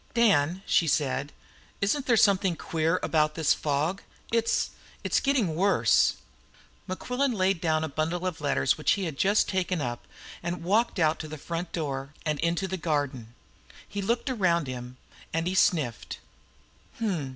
"Dan," she said, "isn't there something queer about this fog? It's it's getting worse." Mequillen laid down a bundle of letters which he had just taken up, and walked out to the front door and into the garden. He looked all around him, and he sniffed.